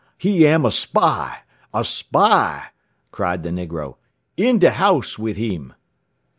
He am a spy! A spy!" cried the negro. "In de house with him!"